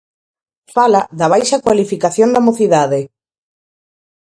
Fala da baixa cualificación da mocidade.